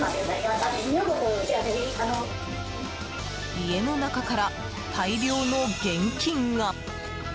家の中から大量の現金が。